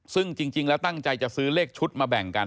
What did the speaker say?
ซึ่งจริงแล้วตั้งใจจะซื้อเลขชุดมาแบ่งกัน